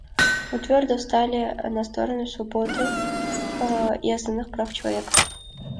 Мы твердо встали на сторону свободу и основных прав человека.